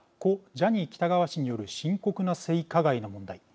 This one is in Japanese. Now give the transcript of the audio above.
ジャニー喜多川氏による深刻な性加害の問題。